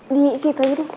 di situ aja deh